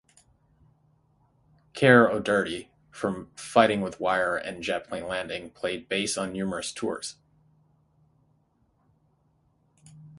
Cahir O'Doherty, from Fighting with Wire and Jetplane Landing, played bass on numerous tours.